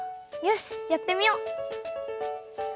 よしやってみよう！